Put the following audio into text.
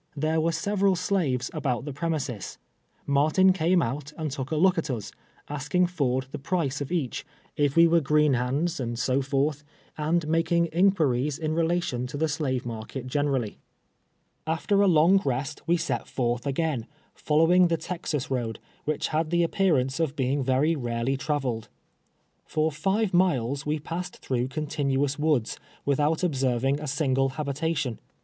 There were several slaves about the premises. Martin came out and took a look at us, asking Ford the price of each, if we were greeii hands, and so forth, and making inquiries in relation to ihe slave market generally. i)4r TWr.LVE TEAKS A SLAVE. After a loni^ rest avc set fortli n^Min, following the Texas r<n\(l, ■which had the appearance of Leiiig very rarely traveled. For live miles Ave passed through continuous woods without ohserving a single habita tion.